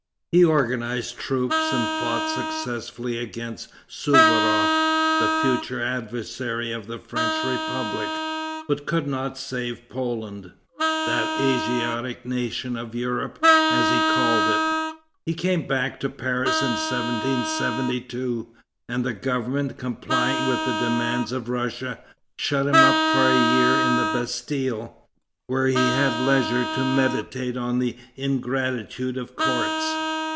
He organized troops and fought successfully against Souvaroff, the future adversary of the French Republic, but could not save Poland that Asiatic nation of Europe, as he called it. He came back to Paris in 1772, and the government, complying with the demands of Russia, shut him up for a year in the Bastille, where he had leisure to meditate on the ingratitude of courts.